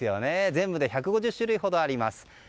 全部で１５０種類ほどあります。